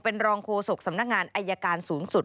เป็นรองโฆษกสำนักงานอายการสูงสุด